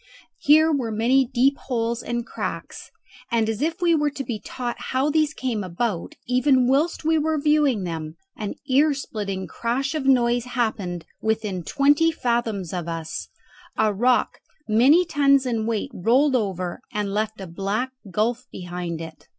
Here were many deep holes and cracks, and as if we were to be taught how these came about, even whilst we were viewing them an ear splitting crash of noise happened within twenty fathoms of us, a rock many tons in weight rolled over, and left a black gulf behind it.